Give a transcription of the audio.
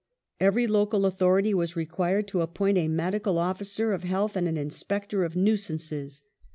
Every local authority was required to ap point a medical officer of health and an inspector of nuisances.